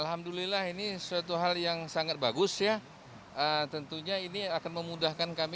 alhamdulillah ini suatu hal yang sangat bagus ya tentunya ini akan memudahkan kami